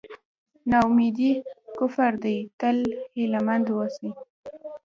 نا اميدي کفر دی تل هیله مند اوسئ.